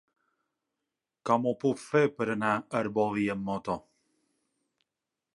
Com ho puc fer per anar a Arbolí amb moto?